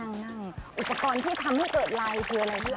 นั่งอุปกรณ์ที่ทำให้เกิดไรคืออะไรคือนะ